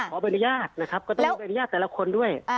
ขอบริญญาณนะครับก็ต้องมีบริญญาณแต่ละคนด้วย